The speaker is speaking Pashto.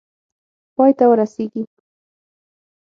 پای ته ورسیږي.